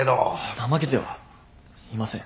怠けてはいません。